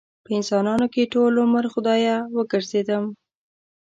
په انسانانو کې ټول عمر خدايه وګرځېدم